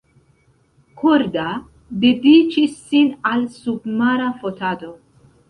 Korda dediĉis sin al submara fotado.